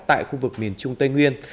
tại khu vực miền trung tây nguyên